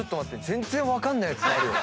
全然分かんないやつあるよ。